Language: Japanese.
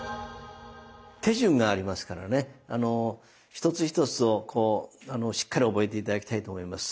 手順がありますからねあの一つ一つをこうしっかり覚えて頂きたいと思います。